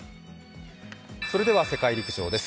それでは世界陸上です。